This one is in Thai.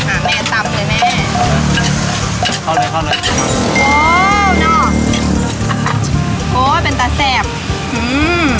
อ่าแม่ตำเลยแม่ข้าวเลยข้าวเลยโหน่ะโหเป็นตำแซ่บอืม